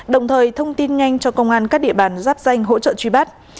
đồng thời thông tin nhanh cho công an các địa bàn giáp danh hỗ trợ truy bắt